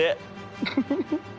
ウフフフ。